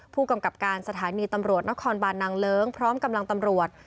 ผู้กำกับการสถานีตำรวจนครบานนางเลิ้งพร้อมกำลังตำรวจ